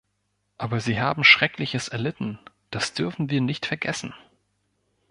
Aber sie haben Schreckliches erlitten, das dürfen wir nicht vergessen.